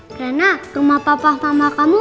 karena rumah papa mama kamu